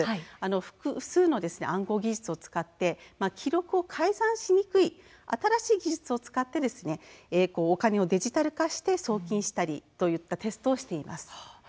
複数の暗号技術を使って記録を改ざんしにくい新しい技術を使ってお金をデジタル化して送金したりといったテストをしています。